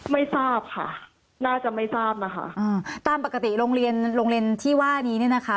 ไม่ทราบค่ะน่าจะไม่ทราบนะคะอ่าตามปกติโรงเรียนโรงเรียนที่ว่านี้เนี่ยนะคะ